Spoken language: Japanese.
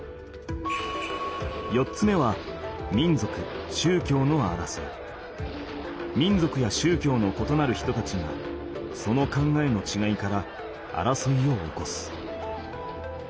４つ目は民族や宗教のことなる人たちがその考えのちがいから争いを起こす。